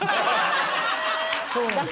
そうなんですよ。